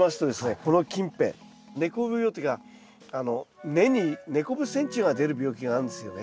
この近辺根こぶ病というか根にネコブセンチュウが出る病気があるんですよね。